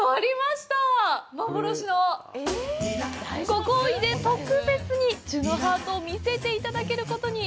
ご厚意で特別にジュノハートを見せていただけることに！